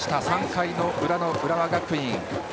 ３回裏の浦和学院。